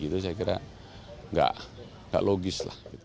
saya kira tidak logis